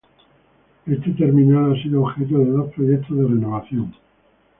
Este terminal ha sido objeto de dos proyectos de renovación.